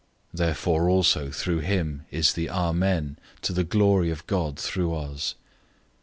Therefore also through him is the "Amen," to the glory of God through us.